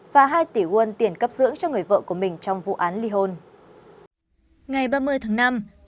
và hai tỷ won tiền cấp dưỡng cho người vợ của mình trong vụ án li hôn